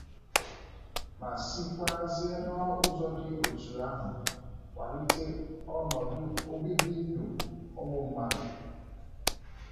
ma sikwazie n'ụzọ dị etu ahụ kwàlite ọnọdụ obibindụ ụmụ mmadụ.